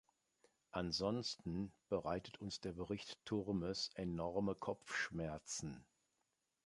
Ansonsten bereitet uns der Bericht Turmes enorme Kopfschmerzen.